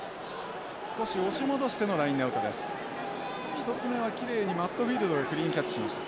１つ目はきれいにマットフィールドがクリーンキャッチしました。